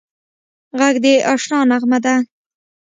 غږ د اشنا نغمه ده